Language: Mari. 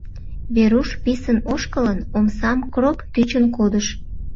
Веруш, писын ошкылын, омсам кроп тӱчын кодыш.